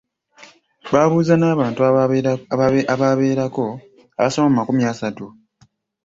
Baabuuza n’abantu abeerabirako abasoba mu makumi asatu.